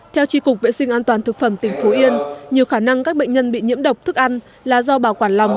theo tri cục vệ sinh an toàn thực phẩm tỉnh phú yên nhiều khả năng các bệnh nhân bị nhiễm độc thức ăn là do bảo quản lòng